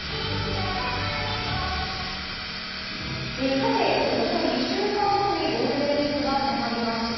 さて、およそ２週間後にゴールデンウィークが迫りました。